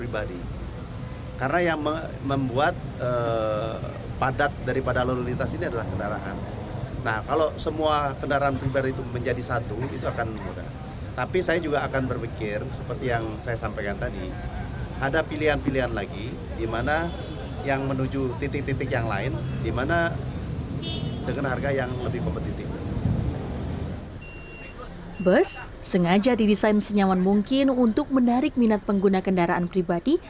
bus sengaja didesain senyaman mungkin untuk menarik minat pengguna kendaraan pribadi